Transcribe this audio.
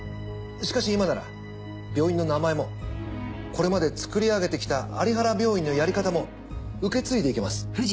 しかし今なら病院の名前もこれまで作り上げてきた有原病院のやり方も受け継いでいけます。